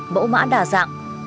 bỗ mã đa dạng